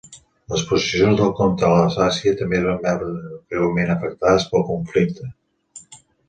Les possessions del comte a l'Alsàcia també es van veure greument afectades pel conflicte.